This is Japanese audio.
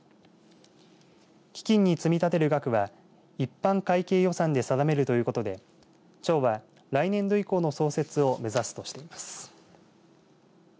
基金に積み立てる額は一般会計予算で定めるということで町は、来年度以降の創設を目指すとしています。